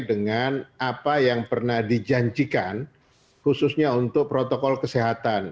dengan apa yang pernah dijanjikan khususnya untuk protokol kesehatan